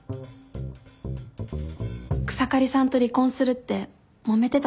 草刈さんと離婚するってもめてたそうですね。